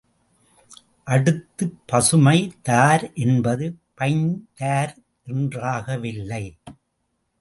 அடுத்து பசுமை தார் என்பது பைந்தார் என்றாகவில்லை.